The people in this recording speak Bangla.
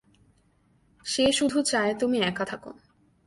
সে শুধু চায় তুমি একা থাকো!